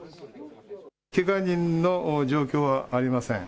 けが人の状況はありません。